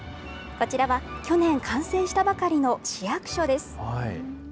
こちらは去年完成したばかりの市役所です。